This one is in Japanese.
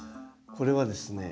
これはですね